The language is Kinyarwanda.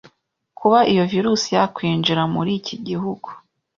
kuba iyo virusi yakwinjira muri iki gihugu.